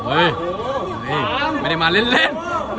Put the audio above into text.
รับทราบ